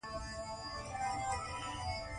يا نيوروټرانسميټر اخراج کم شي -